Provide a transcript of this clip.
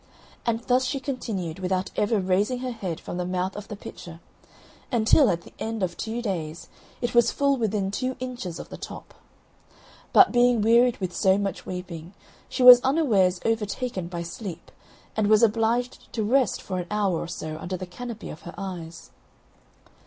And thus she continued without ever raising her head from the mouth of the pitcher until, at the end of two days, it was full within two inches of the top. But, being wearied with so much weeping, she was unawares overtaken by sleep, and was obliged to rest for an hour or so under the canopy of her eyes.